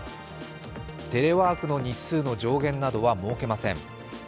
テレワークの日数の上限などは設けません。